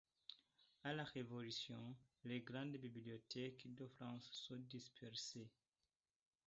À la Révolution, les grandes bibliothèques de France sont dispersées.